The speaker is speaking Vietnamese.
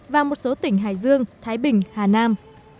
và một số tỉnh hải dương thái bình hà nam